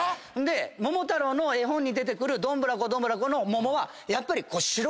桃太郎の絵本に出てくるどんぶらこどんぶらこの桃はやっぱり白ーい桃。